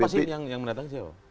siapa sih yang datang